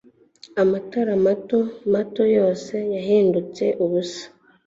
Amatara mato mato yose yahindutse ubusa